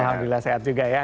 alhamdulillah sehat juga ya